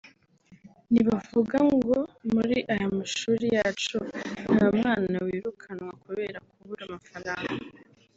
Ntibavuga ngo muri aya mashuri yacu nta mwana wirukanwa kubera kubura amafaranga